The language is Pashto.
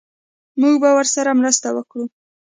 موږ به ورسره مرسته وکړو